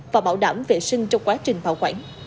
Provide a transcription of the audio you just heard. và bảo đảm vệ sinh trong quá trình bảo quản